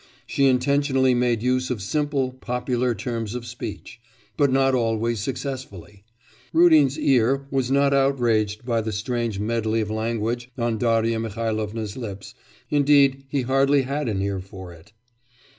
She intentionally made use of simple popular terms of speech; but not always successfully. Rudin's ear was not outraged by the strange medley of language on Darya Mihailovna's lips, indeed he hardly had an ear for it.